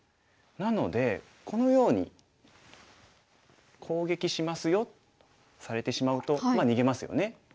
なのでこのように「攻撃しますよ」されてしまうとまあ逃げますよね。